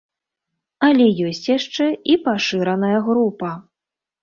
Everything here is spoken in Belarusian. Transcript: Але ёсць яшчэ і пашыраная група.